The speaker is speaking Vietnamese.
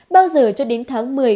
bao giờ cho đến tháng một mươi